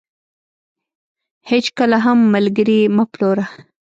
هيچ کله هم ملګري مه پلوره .